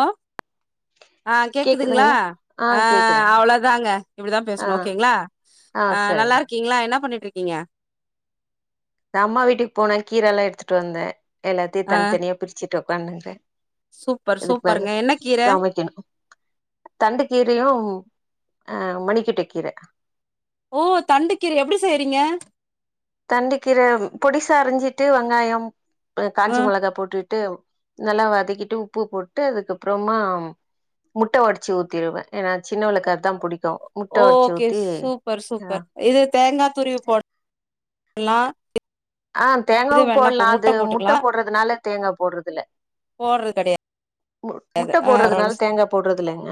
ஓ ஆ கேக்குதுங்ளா கேக்குதுங்களா ஆ அவ்வளோதாங்க இப்டிதான் ஆ பேசணோ ஓகேங்களா ஆ ஆ நல்லா சரிங்க இருக்கீங்களா என்ன பண்ணிட்டு இருக்கீங்க நா அம்மா வீட்டுக்கு போனே கீற எல்லா எடுத்துட்டு வந்தன் எல்லாத்தையோம் ஆ தனி தனியா பிரிச்சிட்டு உக்கானுருக்குறன் சூப்பர் இதுக்கு சூப்பருங்க மேல என்ன கீர சமைக்கணோ தண்டு கீரையோம் ஆ மணிக்கட்ட கீர ஓ தண்டுக்கீர எப்டி செய்றீங்க தண்டுக்கிரய பொடிசா அரிஞ்சிட்டு வெங்காயம் காஞ்ச ஆ மொளகா போட்டுட்டு நல்லா வதக்கிட்டு உப்பு போட்டு அதுக்கப்பறமா முட்ட வொடச்சு ஊத்திருவேன் ஏன்னா சின்னவளுக்கு அதான் புடிக் ஓகே சூப்பர் ஆ சூப்பர் இது தேங்கா துருவி போடல்லா ஆ தேங்காவும் போடலாம் அது முட்ட போடுறதுனால தேங்கா போடுறதுல போடுறது கெடையாது மு முட்ட போடுறதுனால பரவால்ல தேங்கா போடுறது இல்லங்க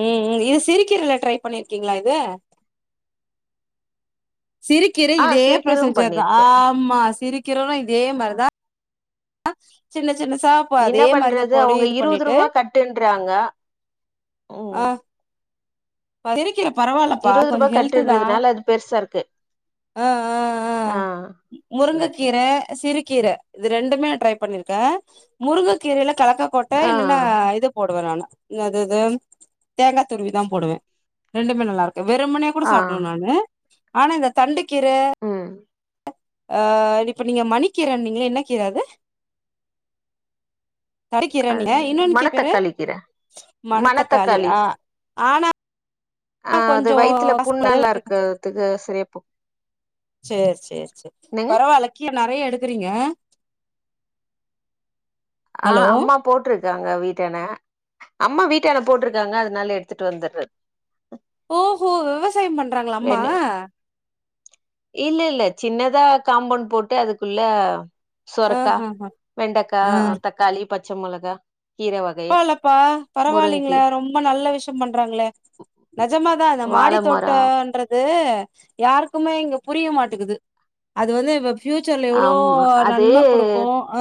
ம் ம் இது சிறுகீரல ட்ரை பண்ணிருக்கீங்களா இது சிரிக் சிறுகீர ஆ இதே சிறுகீரும் ப்ரொசீஜர் தான் பண்ணிருக்கே ஆமா சிறுகிரோம் இதே மாரிதான் சின்ன சின்ன சாப்ப என்ன அதே மாரி தான் பண்றது பொடி அவங்க இது இருவது பண்ணிட்டு ரூபா கட்டுன்றாங்க ஆ ம் சிறுகீர பரவாலப்பா இருவது ரூபா கொஞ்ஜோ ஹெல்த் தான் கட்டுன்றதுனால அது பெருசா இருக்கு ஆ ஆ ஆ சரி முருங்ககீர சிறுகீர இது ரெண்டுமே நா ட்ரை பண்ணிருக்கேன் முருங்க கீரையில கலக்காகொட்ட ஆ இல்லன்னா இது போடுவன் நானு நாதுஇது தேங்கா துருவி தான் போடுவேன் ரெண்டுமே நல்லா இருக்கும் வெறும்மனயே கூட ஆ சாப்டுவேன் நானு ஆனா இந்த தண்டு கீர ம் ஆ இப்ப நீங்க மணிக்கீரனீங்கள என்ன கீர அது மணிகிர அது நீங்க இன்னான்னு கேட்டாரு மணத்தக்காளி கீர மணத்தக்காளி ஆ ஆனா ஆ அது கொஞ்சோ வயித்துல கசக்குது புண்ணெல்லா இருக்கறதுக்கு சரியா போ சேர் சேர் சே என்னங்க பரவால கீர நெறைய எடுக்றீங்க ஆ அம்மா போட்டிருக்காங்க வீட்டான அம்மா வீட்டான போட்டிருக்காங்க அதனால எடுத்துட்டு வந்துறது ஓ ஹோ விவசாய பண்றாங்கள அம்மா இல்லல்ல சின்னதா காம்பவுண்ட் போட்டு அதுக்குள்ள சொரக்கா ஆஹ்ஹஹ வெண்டக்கா ஆ தக்காளி பச்ச மொளகா கீர வகை பரவாலப்பா முருங்கி பரவாயில்லீங்களே ரொம்ப நல்ல விஷயம் பண்றாங்களே நெஜமாதா இந்த வாழ மாடி மரோ தோட்டன்ற து யாருக்குமே இங்க புரிய மாட்டுங்குது அது வந்து ஃப்யூச்சரில எவ்ளோ ஆமா அது நன்ம குடுக்கு ஆ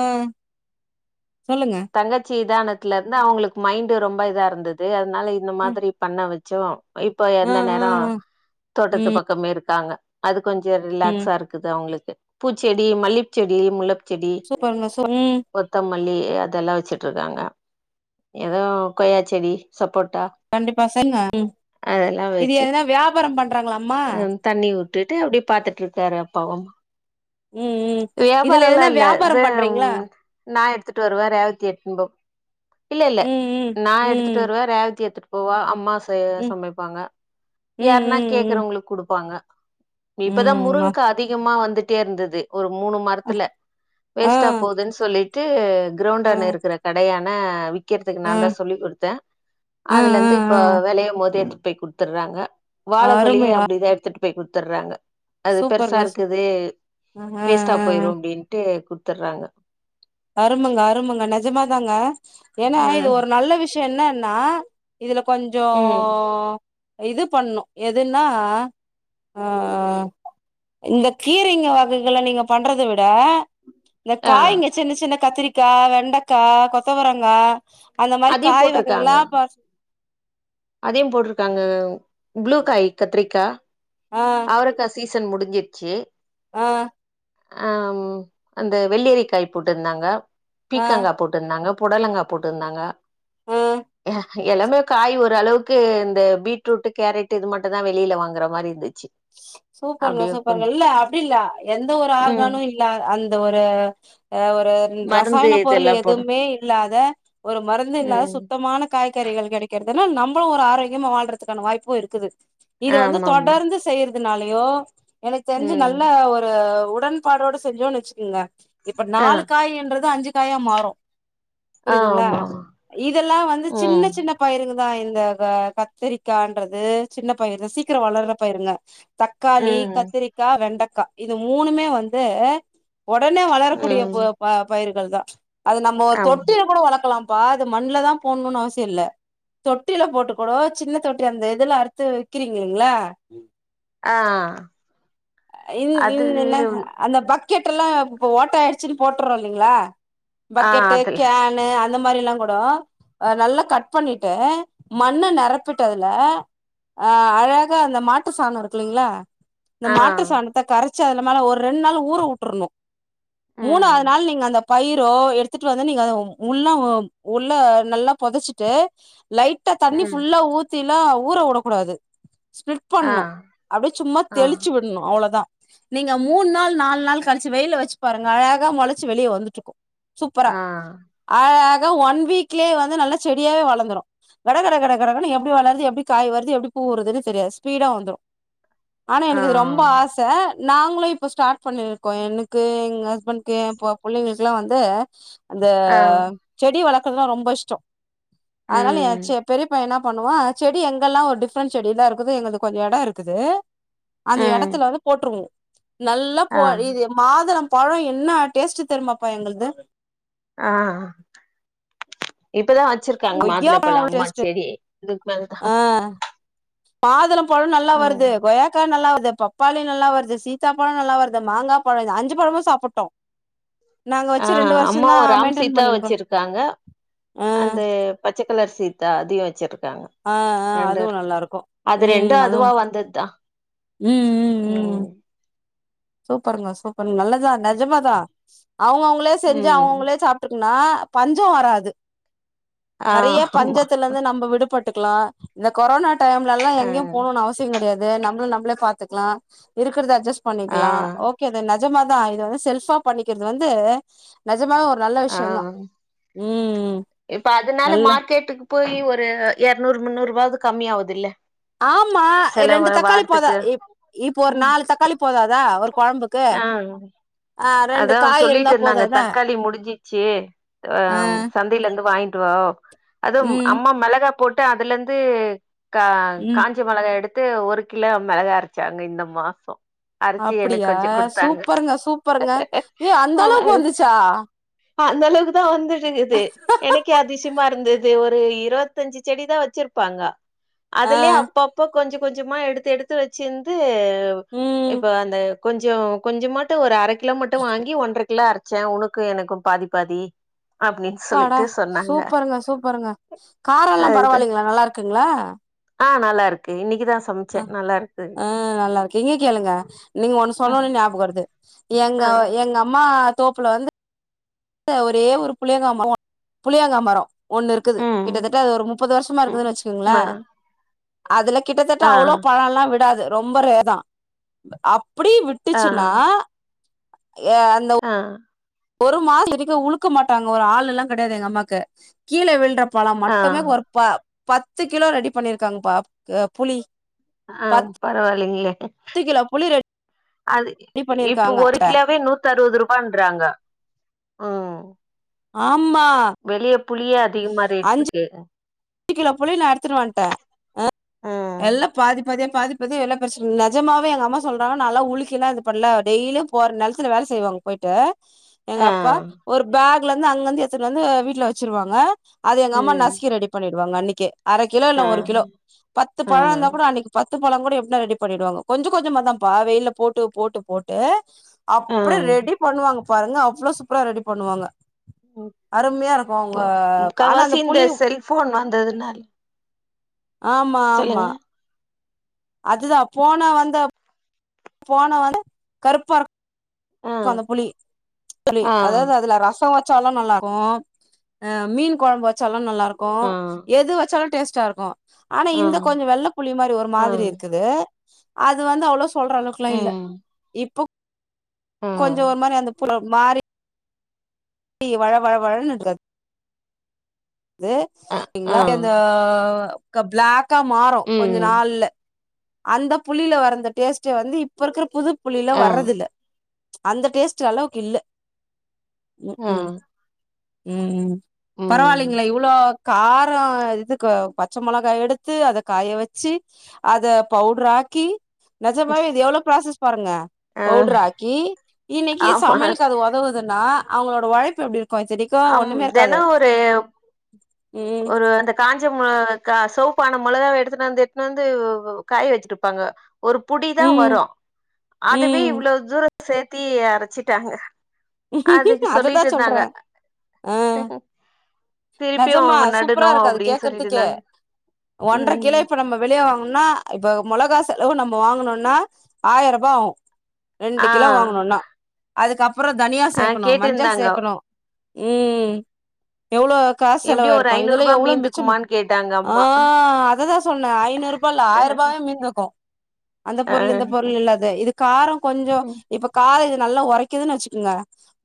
சொல்லுங்க தங்கச்சி இதானதுல இருந்து அவுங்களுக்கு மைண்டு ரொம்ப இதா இருந்தது அதனால இந்த ம் மாதிரி பண்ண வச்சோ இப்ப ஆ எந்த ஆ நேரோ ஆ தோட்டத்து பக்கமே இருக்காங்க அது கொஞ்ச ரிலாக்ஸா இருக் இருக்குது அவுங்களுக்கு பூச்செடி மல்லிப் செடி முல்லப் செடி சூப்பருங்க சூப் ம் கொத்தமல்லி அதெல்லா வச்சுட்டுருக்காங்க ஏதோ கொய்யா செடி சப்போட்டா கண்டிப்பா [unintelligible] அதெல்லா இது வச்சு எதுனா வியாபாரம் பண்றாங்களா அம்மா அ தண்ணி உட்டுட்டு அப்டியே பாத்துட்டு இருக்காரு அப்பாவு ம் ம் இதுல வியாபாரல்ல எதுனா இல்ல இது வியாபாரம் பண்றீங்களா ம் நா எடுத்துட்டு வருவே ரேவதி எடுத்துன் போ இல்ல இல்ல ம் ம் நா எடுத்துட்டு ம் வருவ ரேவதி எடுத்துட் போவ அம்மா ம் சமைப்பாங்க ம் யாருன்னா ம் ம் கேக்றவங்களுக்கு குடுப்பாங்க இப்பதா ம் மா முருங்கா அதிகமா வந்துட்டே இருந்தது ஒரு மூணு ம ஆ ரத்துல ஆ வேஸ்டா போதுன்னு சொல்லிட்டு கிரௌண்டான ஆ இருக்குற கடையான விக் கிறதுக்கு ஆ நா தா சொல்லிக் குடுத்த ஆ அதுல இருந்து இப்ப வெலய போதே எடுத்துட்டு போய் குடுத்துறாங்க ஆ வாழகொழையு அருமை அப்டிதா எடுத்துட்டு போய் குடுத்தர்றாங்க அது பெருசா சூப்பருங்க சூப் இருக்குது ஆ ஆ வேஸ்ட்டா போயிரு ஆ அப்டின்ட்டு குடுத்தர்றாங்க அருமங்க அருமங்க நிஜமாதாங்க ஏன்னா இது ம் ஒரு நல்ல விஷய என்னன்னா இதுல கொஞ்சோ ம் இது பண்ணு எதுன்னா ஆ இந்த கீரைங்க வகைகள நீங்க பண்றத விட இந்த ஆ காய்ங்க சின்ன சின்ன கத்திரிக்கா வெண்டைக்கா கொத்தவரங்கா அந்த மாரி அதையு காய் போட்ருக்காங்க வகைகல்லா பா அதையு போட்டிருக்காங்க ப்ளூ காய் கத்திரிக்கா ஆ அவரக்க சீசன் முடிஞ்சிருச்சு ஆ அம் அந்த வெள்ளிரிக்காய் போட்டுருந்தாங்க ஆ பீக்கங்கா போட் டுருந்தாங்க புடலங்கா போட்டுந்தாங்க ம் எல்லாமே காய் ஓரளவுக்கு இந்த பீட்ரூட்டு கேரட்டு இது மட்டு தா வெளியில வாங்குற மாரி இருந்துச் சி சூப்பர்ங்க சூப்பருங்க இல்ல அப்டி இல்ல எந்த ஒரு ம் ஆர்கானும் இல் ல அந்த ஒரு அ ஒரு மருந்து ரசாயன பொருள் இதெல்லா போடு எதுவுமே இல்லாத ஒரு மருந்து இல்லாதா ம் சுத்தமான காய்கறிகள் கிடைக்கிறதுனா நம்மளு ஒரு ஆரோக்கியமா வாழ்றதுக்கான வாய்ப்பு இருக்குது இது வந்து ஆமா ஆமா தொடர்ந்து செய்யறதுனாலயோ எனக்கு தெரிஞ்சு ம் நல்ல ஒரு உடன்பாடோட செஞ்சோன்னு வச்சுக்கோங்க இப்ப ஆ நாலு காயின்றது அஞ்சு காயா மாறு ஆ புரியுதுங்களா ஆமா ஆமா இதெல்லா வந்து ம் சின்ன சின்ன பயிருங்கதா இந்த கத்திரிக்கான்றது சின்ன பயிரு தா சீக்கரோ வளர்ற பயிருங்க தக்காளி ம் கத்திரிக்கா வெண்டைக்கா இது மூணுமே வந்து ஒடனே வளரக்கூடிய பொ ம் ப பயிர்கள் தா ச் அது நம்ம ஒரு ஆமா தொட்டியில கூட வளர்க்கலா பா அது மண்ல தா போணுன்னு அவசியோ இல்ல தொட்டில போட்டு கூட சின்ன தொட்டி அந்த இதுல அறுத்து விக்கிறீங்ளீங்கள ஆ இன் இன் அது என்ன அந்த பக்கெட் எல்லா இப்ப ஓட்ட ஆயிடுச்சுன்னு போட்டுறோ இல்லைங்களா ஆ பக்கெட்டு அதுல கேனு அந்த மாதிரிலா கூட அ நல்லா கட் பண்ணிட்டு மண்ண நெரப்பிட்டு அதுல அ அழகா அந்த மாட்டு சானோ இருக்குல்லைங்களா இந்த ஆ மாட்டு னத்த கரச்சி அதுல மேல ஒரு ரெண்டு நாள் ஊற உட்றணு ம் மூணாவது நாள் நீங்க அந்த பயிரோ எடுத்துட்டு வந்து நீங்க அத முள்ள உள்ள நல்லா பொதச்சிட்டு லைட் தண்ணி ம் ஃபுல்லா ஊத்திலா ஊற உடக்கூடாது ஸ்பிளிட் ஆ பண்ணு அப்டியே சும்மா ஆ தெளிச்சு விட்ணு அவ்ளோதா நீங்க மூணு நாள் நாலு நாள் கழிச்சு வெயில வச்சு பாருங்க அழகா மொளச்சு வெளியே வந்துட்டு இருக்கு சூப்பரா ஆ ஆழகா ஒன் வீக்லயே வந்து நல்லா செடியாவே வளர்ந்துரு கட கட கட கடனு எப்டி வளர்து எப்டி காய் வருது எப்டி பூ வருதுன்னு தெரியாது ஸ்பீடா வந்துரு ஆனா இது ஆ எனக்கு ரொம் சா நாங்களு இப்ப ஸ்டார்ட் பண்ணிருக்கோ எனக்கு எங்க ஹஸ்பண்டக்கு ஏ பொ பிள்ளைங்களுக்கெல்லா வந்து அந்த ஆ செடி வளக்குறதுலா ரொம்ப இஷ்டோ அதனால எ ம் செ பெரியப்பைய என்ன பண்ணுவா செடி எங்கெல்லா ஒரு டிஃப்ரென்ட் செடில இருக்குது எங்கள்து கொஞ்சோ எடோ இருக்குது அந்த எடத் ம் போட்டுருவோ நல்லா போ ஆ இது மாதளம் பழம் என்ன டேஸ்ட்டு தெருயுமாப்பா எங்கள்து ஆ இப்பதா வச்சிரு காங்க மாதுள பழ கொய்யாப்பழோ அவ்ளோ அம்மா டேஸ்ட் செடி இதுக்கு மேல தா ஆ மாதுளம் பழம் நல்லா வருது கொயாக்கா நல்லா வருது பப் ப்பாளி நல்லா வருது சீத்தா பழம் நல்லா வருது மாங்கா பழம் இது அஞ்சு பழமு சாப்பிட்டோ ஆ அம்மாவு ராம் மெயின்டென் சீதா பண்ணினுக்குறோ வச்சிருக்காங்க ஆ அந்த பச்சக்கலர் சீத்தா அதையு வச்சிருக்காங்க ஆ ஆ ரெண்டு அதுவு இரு நல்லா இருக்கு அது ரெண்டு ம் அதுவு அதுவா வந்தது தா ம் ம் ஓ ம் சூப்பருங்க சூப்பருங்க நல்லதுதா நிஜமாதா அவங்க அவங்களே செஞ்சு ம் அவங்கவுங்களே சாப் இருக்குன்னா பஞ்ச வராது ஆ நெறைய ஆமா பஞ்சத்தில இருந்து நம்ம விடுபட் இருக்கலா இந்த கொரோனா டைம்ல எல்லா ஆ எங்கயு போணும்னு அவசியோ கிடையாது நம்ள நம்ள பார்த்துக்கலா இருக்குறத அஜஸ் ஆ பண்ணிக்கலா ஒ ஓகே இது நெஜமாதா இது வந்து செல்பா பண்ணிக்கிறது வந்து நெஜமா ஒரு நல்ல ஆ விஷயோ தா ம் ம் இப்ப அதனால மார்க்கெட்டுக்கு போய் ஒரு இரநூறு முன்னூறு ரூபாவது கம்மி ஆகுது இல்ல ஆமா ரெண்டு தக்காளி போதா இப் இப்போ ஒரு ம் நாலு தக்காளி போததா ஒரு குழம்புக்கு ஆ அதா காய் இருந்தா சொல்லிட்டு போது இருந்தாங்க அதா தக்காளி முடிஞ்சிச்சு ஆ சந்தையில இருந்து வாங்கிட்டுவ அதுவு ம் அம்மா மிளகா போட்டு அதுல இருந்து கா ம் காஞ்ச மிளகா எடுத்து ஒரு கிலோ மிளகா அரைச்சாங்க இந்த மாசோ அரைச்சி எனக்கு அப்டியா கொஞ்ச கொடுத்தாங்க சூப்பருங்க சூப்பருங்க ஏ அந்த ஆ அளவுக்கு வந்துச்சா ஆ அந்த அளவுக்கு தா வந்துட்டுக்குது எனக்கே அதிஷ் ச்சுமா இருந்தது ஒரு இருபத்துஅஞ்சு செடி தா வச்சிருப்பாங்க ஆ அதுலே அப்ப அப் இப்ப கொஞ்ச கொஞ்சமா எடுத்து எடுத்து வச்சிருந்து ம் இப்ப அந்த கொஞ்ச கொஞ்சமாட்டு ஒரு அரை கிலோ மட்டு வாங்கி ஒன்றரை கிலோ அரைச்சே உனக்கு எனக்கு பாதி பாதி அப்டின்னு சொல்லி ஆ சூப்பருங்க சூப்பருங்க கார எல்லா அது பரவாயில்லைங்களா நல்லா இருக்குங்களா ஆ நல்லாருக்கு இன்னைக்குதா ஆ சமைச்சே நல்லா இருக்கு ஆ நல்லா இருக்கு இங்க கேளுங்க நீங்க ஒண்ணு ம் சொன்னோனே ஞாபக வருது எங்க ஆ எங்க அம்மா தோப்புல வந்து ஒரே ஒரு புளியங்கா மரம் புளியங்கா மரம் ஒண்ணு இருக்குது ம் கிட்டத்தட்ட அது ஒரு முப்பது வருஷமா ம் இருக்குதுன்னு வச்சுக்கோங்களே ஆ அதுல கிட்டத்தட்ட ஆ அவ்ளவு பழம் எல்லா விடாது ரொம்ப ரேர் தா அப்டி விட் ஆ ட்டுச்சுன்னா ஏ அந்த ஆ ஒரு மாசத்துக்கு உழுக்க மாட்டாங்க ஒரு ஆளு இல்லா கிடையாது எங்க அம்மாக்கு கீழே விழுற பழம் ஆ மட்டுமே ஒரு ப பத்து கிலோ ரெடி பண்ணிருக்காங்க பா ஆ புளி ஆ பரவாயில்லைங்களே பத்து கிலோ புளி அது ரெடி இப்பே பண்ணிருக்காங்க ஒரு கிலேவே நூத் த்து அறுபது ரூபாயின்றாங்க ம் ஆம்மா வெளியே புளியே அதிகமா ரேட்டு இருக்கு எட்டு கிலோ புளிய நா எடுத்துட்டு வந்துட்டே ஆ ம் எல்லா பாதிப் மதிய பாதி பாதி எல்லா பிரிச்சு நிஜமாவே எங்க அம்மா சொல்றாங்க நாலா உலிக்கல்லா பண்ணல டெய்லியு போற நிலத்துல வேலை செய்வாங் போயிட்டு ஆ எங்க அப்பா ஒரு பேக்ல இருந்து அங்கிருந்து எடுத்துட்டு வந்து வீட்டுல வச்சிருவாங்க அது எங்க அம்மா ம் நசுக்கி ரெடி பண்ணிடுவாங்க அன்னைக்கு அரை கிலோ இல்ல ஆ ஒரு கிலோ பத்து ஆ பழம் இருந்தா கூட அன்னைக்கு பத்து பழம் கூட எப்டினா ரெடி பண்ணிடுவாங்க கொஞ்ச கொஞ்சமா தா பா வெயில போட்டு போட்டு போட்டு ஆ அப்புறே ரெடி பண்ணு வாங்க பாருங்க அவ்ளவு சூப்பரா ரெடி பண்ணு வாங்க அருமையா இருக்கு உங்க ஆனா அந்த புளி போன் வந்ததுனால் ஆமா ஆமா அது தா போன வந்த போனவே கருப்பா இரு ஆ க்காங்க புளி புளி ஆ அதாவது அதுல ரசோ வை ச்சாலு நல்லாருக்கோ ஆ மீன் குழம்பு வச்சாலோ நல்லாருக் கோ ஆ எது வச்சாலு டேஸ்டா இருக்கும் ஆனா ஆ இந்த கொஞ்சோ வெள்ள புளி மாறி ஒரு ஆ மாதிரி இருக்குது அது வந்து அவ்ளோ சொல்ற அளவுக்கெல்லா இல்ல ம் இப்போ ஆ கொஞ்சோ ஒரு மாறி அந்த புளி மாறி இப்டி வள வள வளன்னு இருக்காது அது அ ஆ எங்களா அந்த ஆ பிளாக்கா மாறும் கொஞ்ச ம் நாள்ல அந்த புளில வரத டேஸ்ட்ட வந்து இப்ப இருக்குற புது புளில ஆ வர்றது இல்ல அந்த டேஸ்ட் அளவுக்கு இல்ல ஆ ம் கு ம் ம் ம் பரவாயில்லங்கள இவ்வளோ காரோ இதுக்கு பச்ச மொளகா எடுத்து அத காய வச்சு அத பவுடர் ஆக்கி நஜமாவே இது எவ்வளவு ப்ராசஸ் பாருங்க ஆ பவுடர் ஆக்கி இன்னைக்கு ஆமா சமையலுக்கு அது ஓதவுதுன்னா அவங்களோட உழைப்பு எப்டி இருக்கு சரி ஆம் தினோ ஒரு ம் ஒரு அந்த காஞ்ச மொளாகா இருக்கா சோப்பான மிளகாவ எடுத்துட்டு வந்து எட்டு வந்து காய வச்சிருப்பாங்க ஒரு புடிதா ம் வரு அதுவே ம் இவ்வளவு தூர சேர்த்தி அரச்சிட்டாங்க அதுக்கு அததா சொல்லிட்டு இருந்தாங்க சொல்றே அ திருப்பியு நஜமா நடணு சூப்பராருக்கு அது அப்டின்னு சொல்லிட்டு கேக்குறதுக்கே இருந்தாங்க ஒன்ற கிலோ ம் இப்ப நம்ம வெளிய வாங்கணுனா இப்ப மொளகா செலவு நம்ம வாங்கனுனா ஆயர்ரூபா ஆகு ரெண்டு ஆ கிலோ வாங்கணுனா அதுக்கப்பறோ தனியா ஆ சேக்கணு மஞ்சள் கேட்டுருந்தாங்க சேக்கணு ம் எவ்ளோ காசு எப்டியு ஒரு செலவாருக்கு ஐநூறு இதுல ரூபா எவ்ளோ மிச்சோ மீந்துக்குமான்னு கேட்டாங்க அ அம்மா ஆ அததா சொன்னே ஐநூறு ப்பில ஆயி ரூபாவே மீந்தக்கு அந்த பொருள் இந்த பொருள் இல்ல இது காரோ கொஞ்சோ இப்ப கார இது நல்லா ஒரைக்குதுன்னு வச்சுக்கோங்க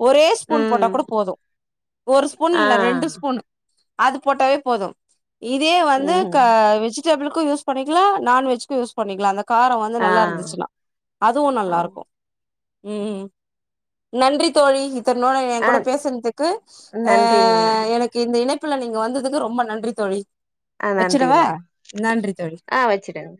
ஒரே ஸ்பூன் போட்டா ம் கூட போது ஒரு ஸ்பூன், ஆ இல்ல ரெண்டு ஸ்பூன் அது போட்டவே போது இதே வந்து ம் க வெஜ் வெஜ்டெபுளுக்கு யூஸ் பண்ணிக்கலா நான்வெஜ்க்கு யூஸ் பண்ணிக்கலா அந்த காரோ வந்து ஆ நல்லாருந்துச்சுன்னா அதுவு நல்லா இருக்கு ம் நன்றி தோழி இத்தன நாளா எ ஆ கூட பேசுனதுக்கு அ நன்றிங்க நன்றி எனக் இந்த இணைப்புல நீங்க வந்ததுக்கு ரொம்ப நன்றி தோழி ஆ வச்சிடவா நன்றிங்க நன்றி தோழி ஆ வச்சுடுங்க